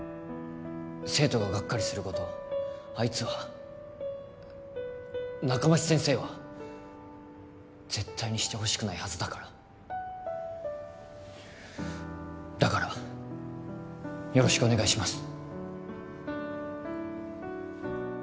生徒ががっかりすることあいつは仲町先生は絶対にしてほしくないはずだからだからよろしくお願いします